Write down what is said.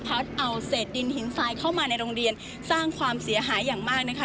เอาเศษดินหินทรายเข้ามาในโรงเรียนสร้างความเสียหายอย่างมากนะคะ